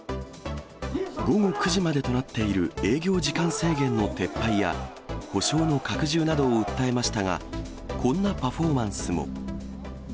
午後９時までとなっている営業時間制限の撤廃や、補償の拡充などを訴えましたが、こんなパフォーマンスも。